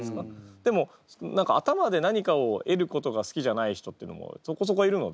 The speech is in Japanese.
でも頭で何かを得ることが好きじゃない人っていうのもそこそこいるので。